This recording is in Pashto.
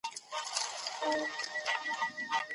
په قلم لیکنه کول د تجربو د شریکولو طریقه ده.